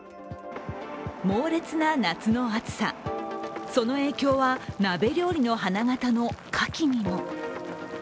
猛烈な夏の暑さ、その影響は鍋料理の花形のかきにも。